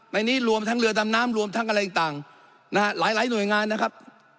ในนี้รวมทั้งเรือดำน้ำรวมทั้งอะไรต่างนะฮะหลายหน่วยงานนะครับ